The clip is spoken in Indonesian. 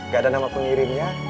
gak ada nama pengirimnya